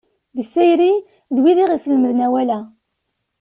Deg tayri, d wid i aɣ-islemden awal-a.